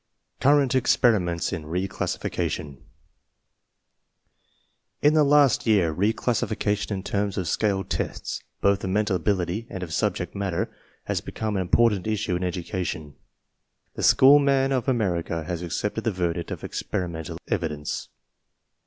CURRENT EXPERIMENTS IN RE CLASSIFICATION In the last year re classification in terms of scaled tests, both of mental ability and of subject matter, has "Become an important issue in education. The school man of America has accepted the verdict of experimen tal evidence.